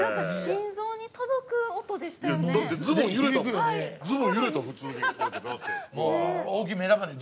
◆心臓に届く音でしたよね。